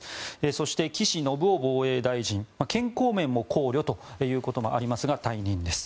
そして岸信夫防衛大臣健康面も考慮ということもありますが退任です。